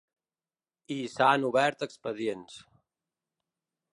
I s’han obert expedients.